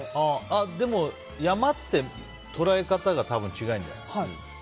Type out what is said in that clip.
でも山って捉え方が近いんじゃない。